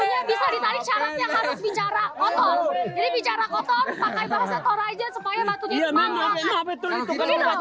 jadi bicara kotor pakai bahasa toraja supaya batunya sempat